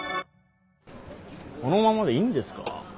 このままでいいんですか？